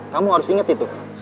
kamu harus ingat itu